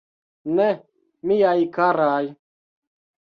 Ne, miaj karaj.